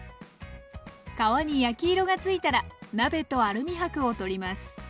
皮に焼き色がついたら鍋とアルミ箔を取ります。